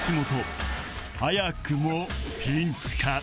早くもピンチか？